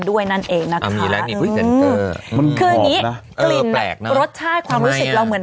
ด้วยนั่นเองนะคะอืมมันมีหอมน่ะเออแปลกน่ะรสชาติความรู้สึกเราเหมือน